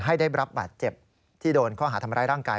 ได้รับบาดเจ็บที่โดนข้อหาทำร้ายร่างกาย